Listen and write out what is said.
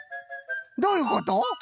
どういうこと？